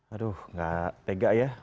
aduh nggak tega ya